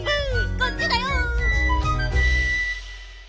こっちだよ！